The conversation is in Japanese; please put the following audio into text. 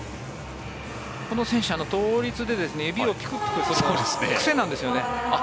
この選手、倒立で指をぴくぴくするのが癖なんですね。